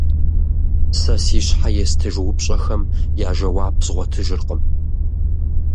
Сэ си щхьэ естыж упщӏэхэм я жэуап згъуэтыжыркъм.